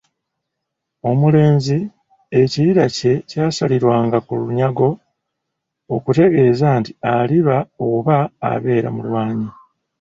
Omulenzi ekirira kye kyasalirwanga ku lunyago okutegeeza nti aliba oba abeere mulwanyi.